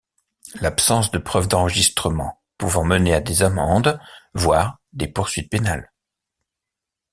L’absence de preuve d’enregistrement pouvant mener à des amendes voire des poursuites pénales.